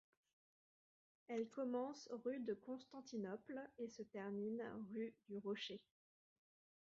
Elle commence rue de Constantinople et se termine rue du Rocher.